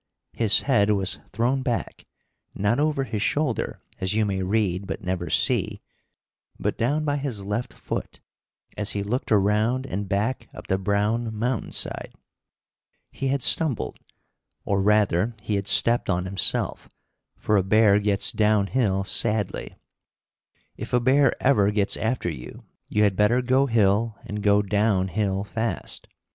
His head was thrown back, not over his shoulder, as you may read but never see, but down by his left foot, as he looked around and back up the brown mountain side. He had stumbled, or rather, he had stepped on himself, for a bear gets down hill sadly. If a bear ever gets after you, you had better go hill and go down hill fast.